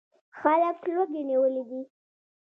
خلک لوږې نیولي دي.